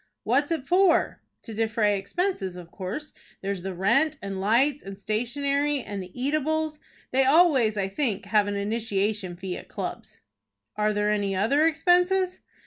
"What is it for?" "To defray expenses, of course. There's the rent, and lights, and stationery, and the eatables. They always, I think, have an initiation fee at clubs." "Are there any other expenses?"